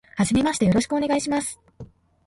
初めましてよろしくお願いします。